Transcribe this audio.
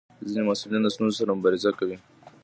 ځینې محصلین د ستونزو سره مبارزه کوي.